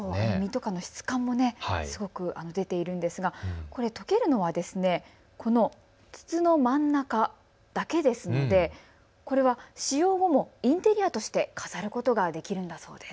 質感も出ているんですが溶けるのは筒の真ん中だけですので、これは使用後もインテリアとして飾ることができるんだそうです。